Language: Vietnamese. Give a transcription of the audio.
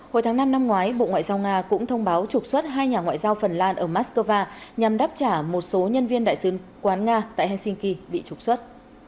hồi tháng năm năm ngoái bộ ngoại giao nga cũng thông báo trục xuất hai nhà ngoại giao phần lan ở moscow nhằm đáp trả một số nhân viên đại sứ quán nga tại helsinki bị trục xuất